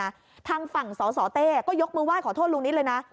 กันแล้วเนี่ยนะทางฝั่งสอสอเต้ก็ยกมือว่าขอโทษลูกนิดเลยนะ